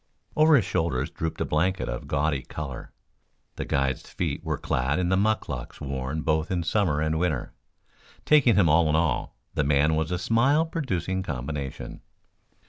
Over his shoulders drooped a blanket of gaudy color. The guide's feet were clad in the mucklucks worn both in summer and winter. Taking him all in all, the man was a smile producing combination.